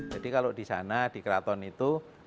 jadi kalau di sana di keraton itu